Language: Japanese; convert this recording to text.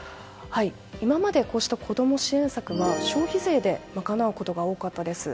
今までこうした子供支援策は消費税で賄うことが多かったです。